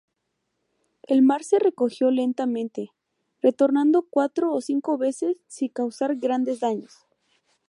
El mar se recogió lentamente, retornando cuatro o cinco veces sin causar grandes daños.